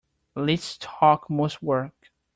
Least talk most work.